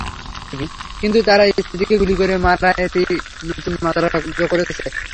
কিন্তু তাঁর স্ত্রীকে গুলি করে মারা, এটি নতুন মাত্রা যোগ করেছে।